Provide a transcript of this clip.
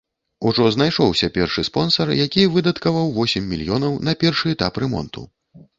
Ужо знайшоўся першы спонсар, які выдаткаваў восем мільёнаў на першы этап рамонту.